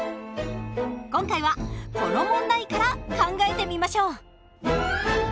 今回はこの問題から考えてみましょう。